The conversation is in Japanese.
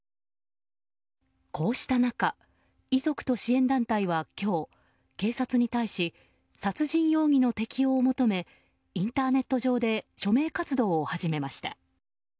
こうした中、遺族と支援団体は今日警察に対し殺人容疑の適用を求めインターネット上で署名活動を始めました。